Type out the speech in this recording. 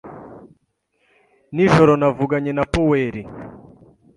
Nijoro navuganye na Poweri .